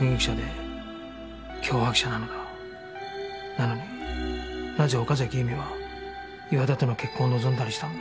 なのになぜ岡崎由美は岩田との結婚を望んだりしたんだ？